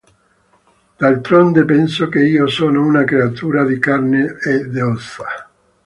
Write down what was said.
D'altronde penso che io sono una creatura di carne e d'ossa.